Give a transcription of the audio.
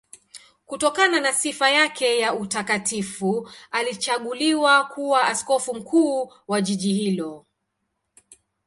Kutokana na sifa yake ya utakatifu alichaguliwa kuwa askofu mkuu wa jiji hilo.